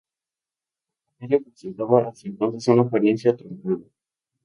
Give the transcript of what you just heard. El campanario presentaba hasta entonces una apariencia truncada.